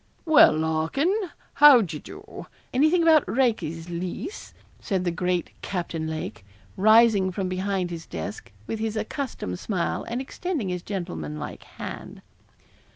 'Well, Larkin, how d'ye do? Anything about Raikes's lease?' said the great Captain Lake, rising from behind his desk, with his accustomed smile, and extending his gentlemanlike hand.